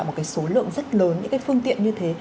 một cái số lượng rất lớn những cái phương tiện như thế